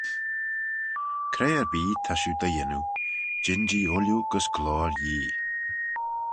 Cre-erbee ta shiu dy yannoo, jean-jee ooilley gys gloyr Yee.